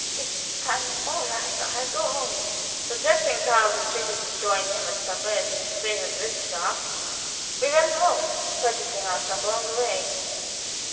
"But I'm all right; I'll go home." Rejecting Karl's pressing entreaties to join him at supper at his favorite Wirthschaft, we went home, purchasing our supper on the way.